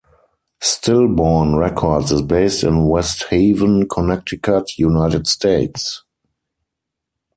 Stillborn Records is based in West Haven, Connecticut, United States.